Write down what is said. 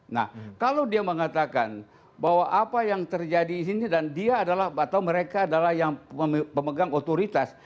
nah kalau dia mengatakan bahwa apa yang terjadi di sini dan dia adalah atau mereka adalah yang pemegang otoritas